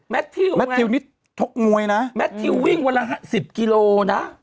แมททิวไงแมททิวนี่ทกมวยนะแมททิววิ่งเวลา๑๐กิโลนะ